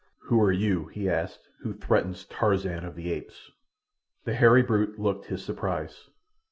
"Who are you," he asked, "who threatens Tarzan of the Apes?" The hairy brute looked his surprise.